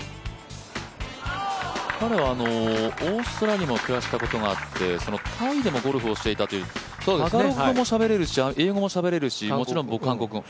彼はオーストラリアにも暮らしたことがあってタイでもゴルフをしていたという英語もしゃべれるし、もちろん韓国語も。